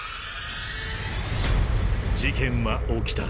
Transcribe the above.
［事件は起きた］